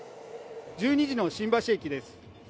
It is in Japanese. １２時の新橋駅です。